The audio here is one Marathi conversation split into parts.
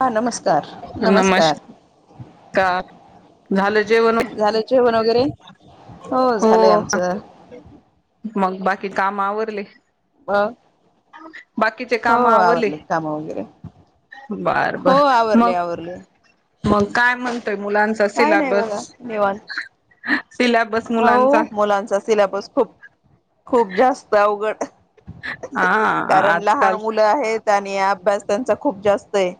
हा नमस्कार नमस्कार. का झालं जेवण झालं जेवण वगैरे हो. झालंय आमचं मग बाकी काम आवरले. ब बाकीचे काम आवले. आवरले काम वगैरे बर बर हो आवरले मग. आवरले मग काय म्हणतोय मुलांचा असेल काय नाही सिलॅबस. बघा निवांत सिलॅबस हो मुलांचा मुलांचा सिलेबस खूप खूप जास्त अवघड हा कारण लहान आजकाल मुलं आहेत आणि अभ्यास त्यांचा खूप जास्त आहे.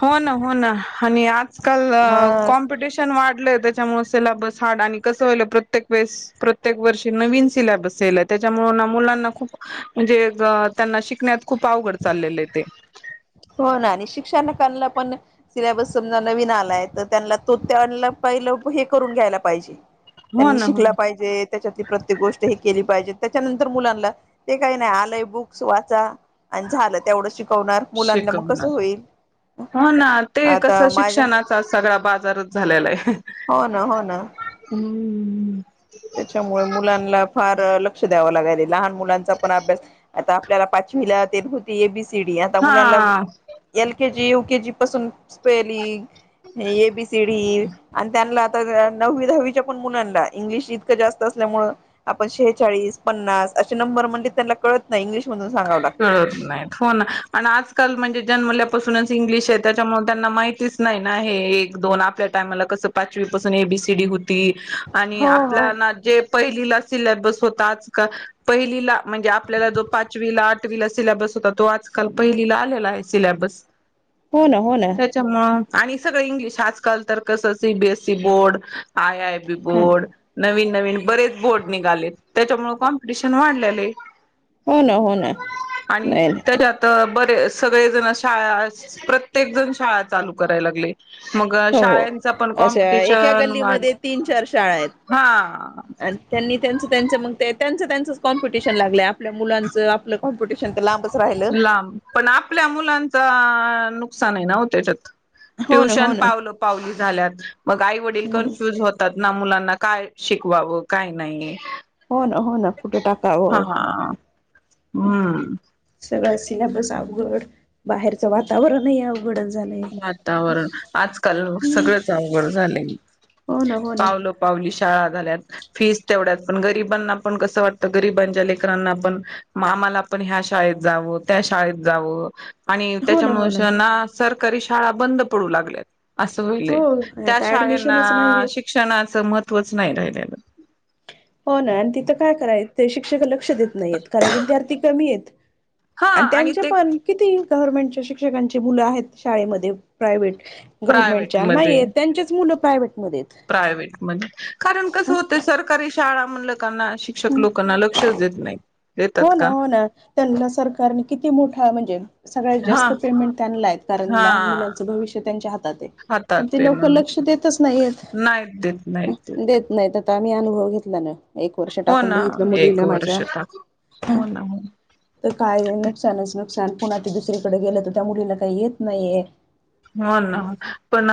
हो ना हो ना आणि आजल हा कॉमपिटिशन ् वाढलंय त्याच्यामुळेला बस हड आणि कसं होल प्रत्येक वेळे प्रत्येक वर्षी नवीन सिलॅबस यायलाय त्याच्यामुळे ना मुलांना खूप म्हणजे त्यांना शिकण्यात खूप अवघड चाललेले आहे ते होना आणि शिक्षण कला पण सिलेबस समजा नवीन आलाय तर त्यांना तो त्यांना पहिलं हे करून घ्यायला पाहिजे हो त्यांनी ना हो शिकला ना पाहिजेत त्याच्यातली प्रत्येक गोष्ट हे केली पाहिजे त्याच्यानंतर मुलांना ते काही नाही आलंय बुक्स वाचा आणि झालं तेवढं शिकवणार मुलांना मग कसं शिकवणार होईल हो ना ते आता कसं माझ्या शिक्षणात ता सगळा बाजारच झालेला आहे हो ना, हो ना हम्म त्याच्यामुळे मुलांना फार लक्ष द्यावं लागाल लहान मुलांचा पण अभ्यास आता आपल्याला पाचवीला ते एबीसीडी आता मुलांना हा एलकेजी यूकेेजी पासून स्पेलिंग एबीसीडी आणि त्यांना सगळ्यांना नववी दहावीच्या पण मुलांना इंग्लिश इथ जास्त असल्या सेहेचाळीस, पन्नास असे नंबर म्हणले तर त्यांना कळत नाही इंग्लिश मधून सांग कळत नाही होन आजकाल म्हणजे जन्मल्यापासूनच इंग्लिश आहे त्याच्यामुळे त्यांना माहितीच नाही ना हे एक, दोन आपल्या टायमाला कसं पाचवी पासून एबीसीडी होती आणि हो हो आपल्याना जे पहिलीला सिल्याबस होता आजकाल पहिलीला म्हणजे आपल्याला जो पाच पाचवीला, आठवीला सिल्याबस होता तो आजकाल पहिलीला आलेला आहे सिल्याबस हो ना, हो ना त्याच्यामुळं आणि सगळं इंग्लिश आजकाल तर कसं सी बीएसईी बोर्ड आय, आय ह बोर्ड नवीन, नवीन बरेच बोर्ड निघाले त्याच्यामुळे कॉम्पिटिशन वाढलेले हो ना, हो ना आणि नाही नाही त्याच्यात तर बरे सगळे जण शाळा प्रत्येक जण शाळा चालू करायला लागलय मग हो हो शाळेच पण अशा एका कॉम्पिटिशन वाढ गल्लीमध्ये तीन चार शाळा आहेत हा आणि त्यांनी त्यांच, त्यांच मग ते त्यांचं, त्यांच कॉम्पिटिशन लागलं आपल्या मुलांच आपलं कॉम्पिटिशन तर लांबच राहिलं लांब पण आपल्या मुलांच नुकसान आहे ना हो त्याच्यात हो ना हो ट्युशन ना पावलो पावली झाल्यात मग आई वडील कन्फ्युज होतात ना मुलांना काय शिकवावं काय नाही हो ना, हो ना कुठ हा टाकावं हम्म सगळं सिल्याबस अवघड बाहेरचं वातावरणही अवघ वघडच झालय वातावरण आजकाल सगळच अवघड झालय हो ना, हो ना पावलो पावली शाळा झाल्यात फीस तेवढ्यात पण गरीबांना पण कसं वाटतं गरीबांच्या लेकरांना पण आमाला पण ह्या शाळेत जावं त्या शाळेत जावं आणि हो ना हो त्याच्यामुळे शा ना सरकारी शाळा बंद पडू लागल्यात असं होईलय... हो त्या आता शाळंना... ऍडमिशनच नाही आहेत शिक्षणाचं महत्त्वच नाई राहिलेलं. हो ना... आणि तिथं काय कराय... ते शिक्षक लक्ष देत नाहीेत... कारण विद्यार्थी कमी हेत. हा अन आणि त्यांचे ते पण किती... गव्हर्मेंटच्या शिक्षकांची मुलं आहेत... शाळेमध्ये प्रायव्हेट प्रायव्हेट गव्हर्नमेंटच्या... नाईहेत.. त्यांचेच मुलं प्रायव्हेटमध्ये हेत. प्रायव्टमध्ये... कारण कसं होतय... सरकारी शाळा म्हनलं -कना शिक्षक लोकं ना लक्षच देत नाई. हो ना... हो ना... त्यांना सरकारने किती मोठा म्हणजे सगळ्यात हा जास्त पेमेंट त्यांनला ए... कारण लहान हा मुलांचं भविष्य त्यांच्या हातात ए. हातात पण ते लोकं... म्हणून लक्ष देतच नाईहेत... नाहीत देत नाहीत देत नाही तर... आ... आम्ही अनुभव घेतला ना... एक वर्ष हो टाकून ना बघितलं एक मुलीला माझ्या. वर्ष टाक हो ना हो. तर काय नई... नुकसानच नुकसान... पुन्हा ते दुसरीकडे गेलं तर त्या मुलीला काही येत नाहीये. हो ना... पण...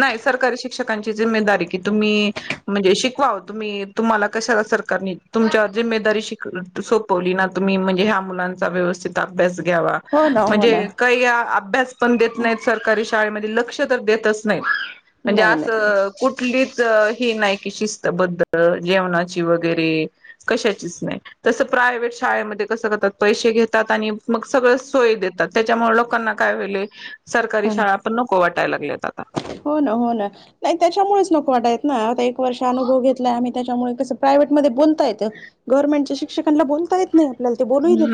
नाई सरकारी शिक्षकांची जिम्मेदारी ए... कि तुम्ही म्हणजे शिकवावं... तुम्ही... तुम्हाला कशाला... सरकारने तुमच्यावर... जिम्मेदारी शिक सोपवली ना... तुम्ही म्हणजे हया मुलांचा व्यवस्थित अभ्यास घ्यावा हो ना हो ना म्हणजे काई अभ्यास- पण देत नाहीत सरकारी शाळेमध्ये... लक्ष तर देतच नाहीत... म्हणजे नाही नाही असं कुठलीच... ही नाय की... शिस्तबद्ध जेवणाची वगैरे कशाचीच नाई. तसं प्रायव्हेट शाळेमध्ये कसं करतात... पैसे घेतात आणि मग... सगळंच सोय देतात. त्याच्यामुळे लोकांना काय व्हयलंय... सरकारी नाही शाळा पण नको वाटायला लागल्यात आता. हो ना... हो ना. नाही त्याच्यामुळेच नको वाटायेत ना... आता एक वर्ष अनुभव घेतलाय आम्ही त्याच्यामुळे... कसं प्रायव्हेटमध्ये बोलता येतं. गव्हर्नमेंटच्या शिक्षकांला बोलता येत नाई.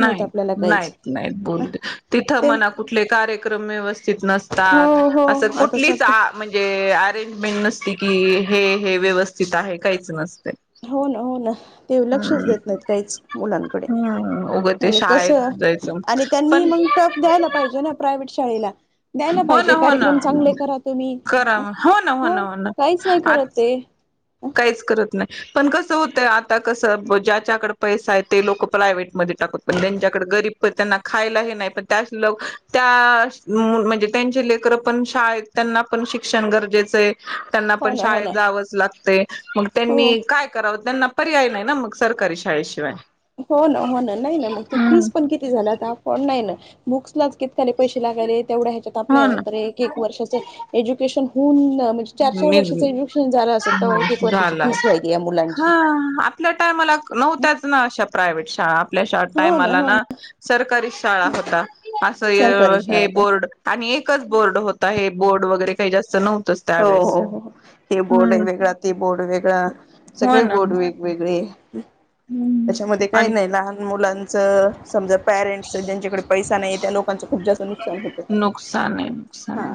नाई... नाईत... नाईत ह बोलू देत.... तिथं ते म्हणा कुठले कार्यक्रम व्यवस्थित नसत हो -तात... हो असं आता कुठलीच सध्या आ म्हणजे अरेंजमेंट नसती की... हे... हे व्यवस्थित आहे, काहीच नसतंय. हो ना... हो ना. ते लक्षच देत नाहीत काहीच... मुलांकडे, हम्म उगं ते आणि शाळेत कसं... जायचं आणि त्यांनी पण मग टफ द्यायला पाहिजे ना प्रायव्हेट शाळेला. द्यायला हो ना पाहिजे... हो ना कार्यक्रम चांगले करा तुम्ही... करा हो ना हो ना हं हो ना काहीच नाही करत आज ते. काहीच करत नाई. पण कसं होतंय आता... कसं ज्याच्याकडं पैसा ए ते लोकं... प्रायव्हेटमध्ये टाकत... पण ज्यांनच्याकडं गरीब पण त्यांना खायला हे नाही पण... त्या लोक... त्या म्हणजे... त्यांची लेकर पण शाळेत त्यांना पण शिक्षण गरजेचं ए... त्यांना हो पण ना हो शाळेत ना जावंच लागतय... मग हो त्यांनी काय करावं... त्यांना पर्याय नाही ना मग... सरकारी शाळेशिवाय. हो ना... हो ना... नाही ना... मग ते हम्म फीस पण किती झाल्या... आता... आपण नाई ना... बुक्सलाच किती त्याले पैशे लागाले... तेवढ्या ह्येच्यात हो ना आपल्या एक... एक वर्षाचं एज्युकेशन होऊन... म्हणजे चार चार वर्षाचं निघ एड्युकेशन झालं आसल... तव्हा एक एक वर्षाची झाला फीस... व्हायलीय या हा मुलांची. आपल्या टायमाला नव्हत्याच ना अशा प्रायव्हेट शाळा... आपल्या... शा... टायमाला ना सरकारी शाळा होता... असं सरकारी हे शाळा तर बोर्ड आणि एकच बोर्ड होता... हे बोर्ड वगैरे काही जास्त नव्हतच. होहो... होहो.. हे बोर्ड एक वेगळा... ते बोर्ड वेगळा हो सगळे ना बोर्ड वेग वेगळे... त्याच्यामध्ये काही आणि नाही लहान मुलां च समजा पॅरेंट्स ज्यांच्याकडे पैसा नाही त्या लोकांचं खूप जास्त नुकसान होत. नुकसान आहे नुकसान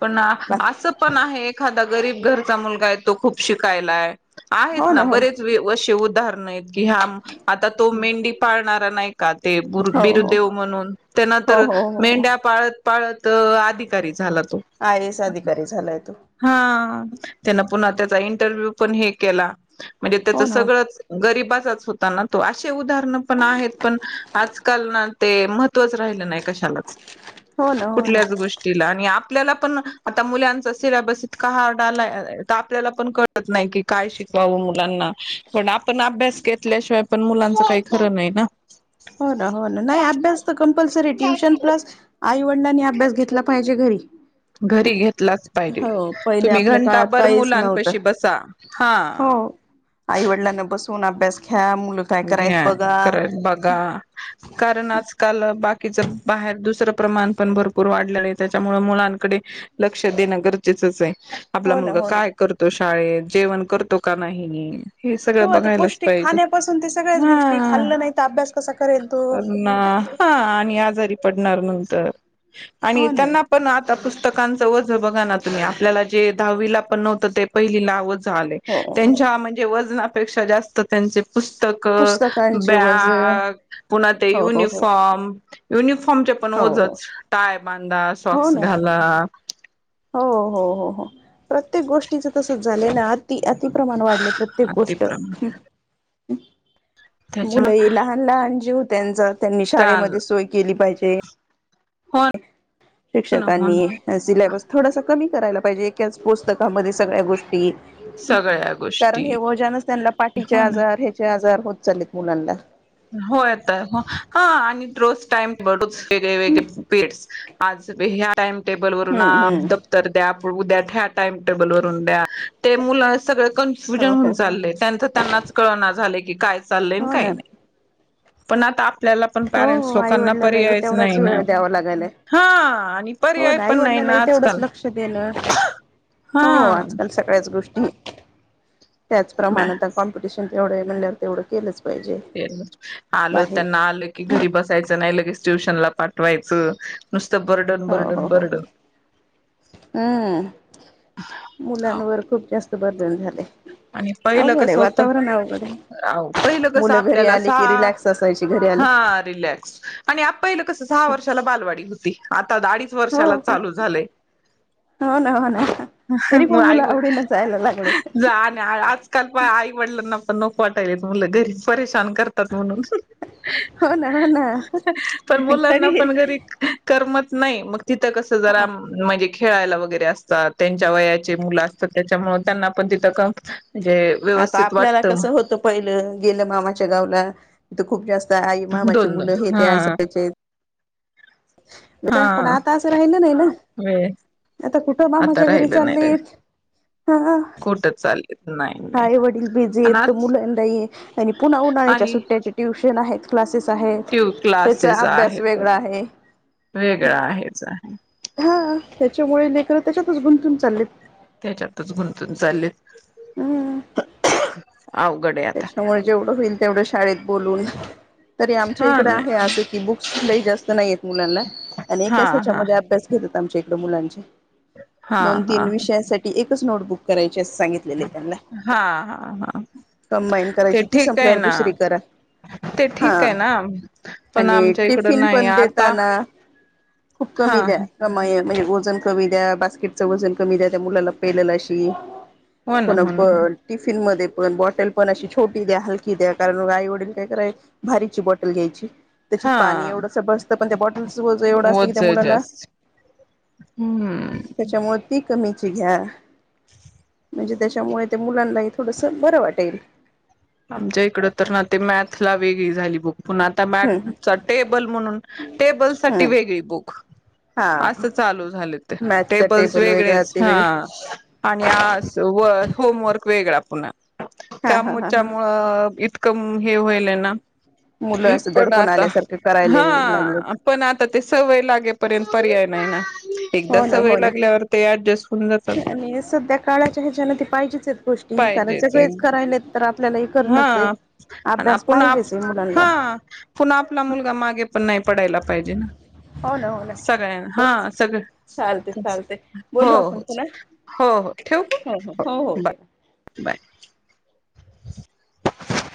पण बाकी आसं पण आहे, एखादा गरीब घरचा मुलगा आहे. तो खूप शिकायलाय. आहेत ना बरेच वे असे उदाहरण आहेत की, ह्या आता तो मेंढी पाळणारा नाही का ते हो हो बिरुदेव म्हणून तेन हो तर हो हो हो मेंढ्या पाळत पाळत अधिकारी झाला तो. आय ए एस अधिकारी झालाय तो. हा त्यान पुन्हा त्याचा इंटरव्ह्यू पण हे केला म्हणजे त्याच हो ना सगळंच गरिबाचाच होता ना तो असे उदाहरण पण आहेत, पण आजकाल ना ते महत्त्वच राहिलं नाही कशालाच? हो ना हो ना कुठल्याच गो ष्टीला आणि आपल्याला पण आता मुलांच सिल्याबस इतका हार्ड आलाय, तर आपल्याला पण कळ त नाही की काय शिकवावं मुलांना? पण आपण अभ्यास घेतल्याशिवाय पण, मुलांच काही खरं नाही ना. हो ना, हो ना, नाही अभ्यास तर कंपल्सरी ट्युशन प्लस आईवडिलांनी अभ्यास घेतला पाहिजे घरी. घरी घेतलाच पाहिजे. हो पहिले तुम्ही आपल्या घंटा काळात बर काहीच नव्हतं मुलांपशी बसा हा हो, आईवडिलांना बसून अभ्यास घ्या, मुलं काय करायत घ्या. बघा. करल बघा. कारण आजकाल बाकीचं बाहेर दुसरं प्रमाण, पण भरपूर वाढलेलं हाये त्याच्यामूळ मुलांकडे लक्ष देणं गरजेचंच हाय. आपला हो ना मुलगा हो ना. काय करतो शाळेत? जेवण करतो का नाही? हे सगळं बघायलाच पाहिजे. पासून ते सगळ्याच गोष्टी, हा खाल्लं नाही तर अभ्यास कसा करेल तो? ना हा आणि आजारी पडणार नंतर आणि हो ना. त्यांना पण आता पुस्तकांचं वज बघा ना तुम्ही? आपल्याला जे दहावीला पण नव्हतं ते पहिलीला वज ते आलय, हो त्यांच्या म्हनजे वजनापेक्षा जास्त त्यांचे पुस्तक, पुस्तकांचे वजन बॅग पुन्हा ते हो हो हो युनिफॉर्म, युनिफॉर्मचे पण हो हो. ओझच. टाय बांधा, हो शॉक्स ना घाला. हो हो हो हो. प्रत्येक गोष्टीच तसच झालंय ना, अति अतिप्रमाण वाढलय. प्रत्येक अगदी गोष्ट प्रमाण त्याच्या मुले लहान लहान जीव त्यांचा, त्यांनी शाळेमध्ये सोय केली पाहिजे. हो ना हो शिक्षकांनी ना आ सिलॅबस थोडसा कमी करायला पाहिजे. एकाच पुस्तकामध्ये सगळ्या गोष्टी सगळ्या कारण हे गोष्टी वोजानच त्यांना पाटीचे हो ना आजार, हेचे आजार होत चालेत मुलांना. होय तर म हा आणि रोज टाइम बडूच वेगळे वेगळे पिरीड्स आज ह्या बे टाइम टेबलवरून हम्म हम्म [unintelligible] तर द्या, उद्या ह्या टाइम टेबल वरून द्या ते मूल अस कन्फु फूजन हो हो होऊन हो चाललय, त्यांच त्यांनाच कळना झालंय की, काय चाललंय आणि हो काय ना नाही. पण आता आपल्याला पण, हो पॅरेंट्स हो आई लोकांना वडिलालाही पर्यायच नाही तेवढाच ना? वेळ द्यावा लागायलाय. हा. आणि हो पर्याय ना पण नाही आईवडलालाही ना तेवढंच आजकाल लक्ष देणं हा हो आजकाल सगळ्याच गोष्टी त्याचप्रमाण आता कॉम्पिटिशन तेवढे हाय म्हंल्यावर तेवढं केलंच पाहिजे ते आस. आल बाहेर. त्यांना आलं कि, घरी बसायचं नाही लगेच ट्युशन ला पाठवायचं. नुसत बर्डन बर्डन हो हो ह. बर्डन हम्म मुलांवर खूप जास्त बर्दन झालेय आणि पहिलं कसं होतं आहे आहो पहिलं कसं मुलं घरी आपल्याला आले सा की रिलॅक्स असायची घरी हा आले. रिलॅक्स आणि पहिलं कसं सहा वर्षाला बालवाडी होती आता अडीच हो वर्षाला हो चालू झालय हो ना हो ना तरी पण मुलं आवडीनं जायला लागलेत [unintelligible] आजकाल प आई वडलांना पण नको वाटाल्यात मुलं घरी परेशान करत तात म्हणून हो ना हो ना पण मुलांना खरी पण घरी करमत नाही मग तिथं कस जरा म्हणजे खेळायला वगैरे असतात त्यांच्या वयाचे मुलं असतात त्याच्यामुळ त्यांना पण तिथं म्हणजे आता व्यवस्थित आपल्याला वाटतं कसं होतं पहिलं गेलं मामाच्या गावला तिथ खूप जास्त आई मामाची दोन दोन मुलं हे ते हा असायचे [inaudible] हा पण आता असं राहिलं नाही ना वेळ आता कुठं आता मामाच्या घरी चालेत हा हा खोटंच चाल नाही नाही माझे वडील बिझी आहेत आणि तर आज मुलांना ही आणि पुन्हा उन्हाळ्याच्या आणि सुट्ट्याचे ट्युशन आहेत क्लासेस आहेत ट्यू त्याचा क्लासेस अभ्यास वेगळा आहेतच आहे वेगळा आहेच आहे हा त्याच्यामुळे लेकर त्याच्यातच गुंतून चाललेत त्याच्यातच गुंतून चाललेत हम अवघड्या त्याच्यामुळ जेवढं होईल तेवढं शाळेत बोलवून तरी आमच्या इकडे आहे आदिती बुक्स कुलाही जास्त नाहीेत मुलांना आणि एकं हा असं हा ह्याच्यामध्ये अभ्यास आमच्या इकडे मुलांचे हा दोन हा तीन हा विषयांसा टी एकच नोट बुक करायची अस सांगितलेले त्यांना हा हा हा कंबायन ते करायची ती ठीक आहे संपल्यावर ना दुसरी करा ते हा ठीक आहे ना पण आणि आमच्या इकडं टिफिन नाही पण आता देताना खूप हा कमी दया कमा म्हणजे वजन कमी द्या बास्केटचं वजन कमी द्या त्या मुलाला पेलेल अशी हो ना हो प ना हो टिफिन मध्ये पण बॉ टल पण अशी छोटी द्या हलकी द्या कारण आई वडील काय करायचे भारीची बॉटल घ्यायची त्याच्यात हा पाणी एवढंस बसतं पण त्या बॉटल चं ओझं एवढं असतं की ओझ त्या मुलाला जास्त हम्म त्याच्यामुळे ती कमीची घ्या म्हणजे त्याच्यामुळे ते मुलांनाही थोडंसं बरं वाटेल आमच्या इकड तर ना ते मॅथला वेगळी झाली बुक पुन्हा हम्म मॅथ टेबल म्हणून टेबल साठी हम्म वेगळी बुक हा असं चालू झाले ते मॅचचा टेबल्स टेबल वेगळा वेगळेच ते हा वेगळ आणि आस व होमवर्क वेगळा पुन्हा हा हा हा हा अ इतकं हे व्हायलंय ना मुलं असं पण दडकून आता आल्यासारखं करायला हा लागलेत पण आता ते सवय लागेपर्यंत पर्याय नाही ना एकदा हो ना सवय हो ना लागल्यावर ते ऍडजस्ट होऊन जातात आणि सध्या काळाच्या ह्याच्यान ते पाहिजेचयेत. गोष्टी कारण पाहिजेच सगळेच करायलेत. तर आपल्याला हे हा करणंच आहे आणि अभ्यास आपन पाहिजेच आहे मुलांना हा पुन आपला मुलगा मागे पण नाही पडायला पाहिजे ना हो ना हो ना सगळ्यां हा बस सगळ चालते चालते बोलू हो आपण हो पुन्हा हो हो ठेउ का हो बा बाय.